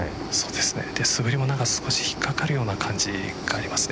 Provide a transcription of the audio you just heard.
素振りも少し引っ掛かるような感じがありますね